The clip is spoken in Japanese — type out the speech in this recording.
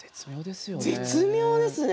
絶妙ですよね。